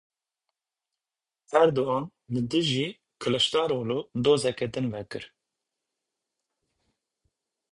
Erdogan li dijî Kiliçdaroglu dozeke din vekir.